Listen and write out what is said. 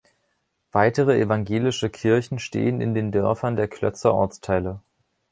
Weitere evangelische Kirchen stehen in den Dörfern der Klötzer Ortsteile.